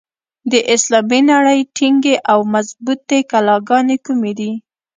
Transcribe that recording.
د اسلامي نړۍ ټینګې او مضبوطي کلاګانې کومي دي؟